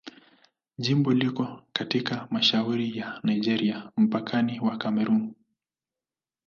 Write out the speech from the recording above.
Jimbo liko katika mashariki ya Nigeria, mpakani wa Kamerun.